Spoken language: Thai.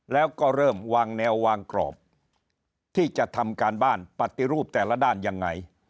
แล้วก็เริ่มวางแนววางกรอบที่จะทำการบ้านปฏิรูปแต่ละด้านยังไง